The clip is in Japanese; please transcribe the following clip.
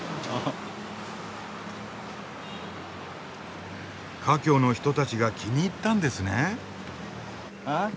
華僑の人たちが気に入ったんですね。